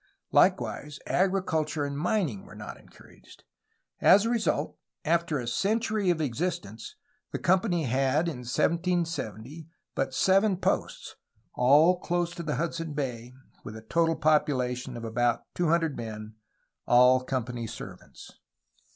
Likewise, agri culture and mining were not encouraged. As a result, after a century of existence the company had in 1770 but seven posts, all close to Hudson Bay, with a total population of about two hundred men, all company servants.